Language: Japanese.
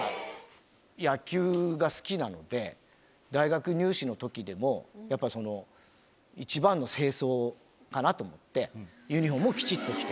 野球が好きなので、大学入試のときでも、やっぱりその、一番の正装かなと思って、ユニホームをきちっと着て。